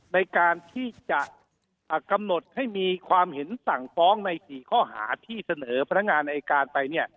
ในการที่จะกำหนดให้มีความเห็นสั่งฟ้องใน๔ข้อหาที่เสนอพนักงานอายการไปเนี่ย